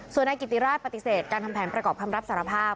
ส่วนนายกิติราชปฏิเสธการทำแผนประกอบคำรับสารภาพ